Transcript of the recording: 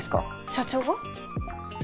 社長が？